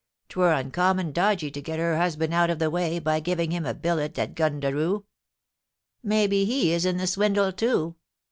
'Twur uncommon dodgy to get her husband out of the way by giving him a billet at Gun daroo. Maybe he is in the swindle too.